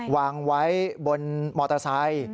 วางไว้บนมอเตอร์ไซค์